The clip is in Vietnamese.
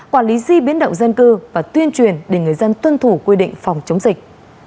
quản lý di biến động dân cư và tuyên truyền để người dân tuân thủ quy định phòng chống dịch